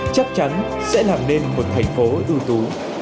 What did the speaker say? chắc chắn sẽ làm nên một thành phố ưu tú